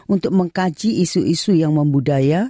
untuk mengkaji isu isu yang membudaya